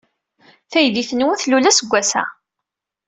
Taydit-nwen tlul aseggas-a.